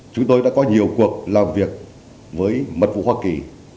chúng tôi đã có nhiều cuộc làm việc với mật vụ hoa kỳ